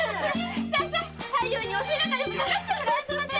さあさあ太夫にお背中でも流してもらいあそばせ！